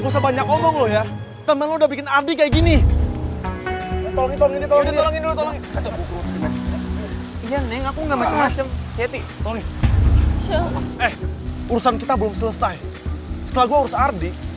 setelah gue urus ardi